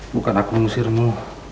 bukan aku mengusirmu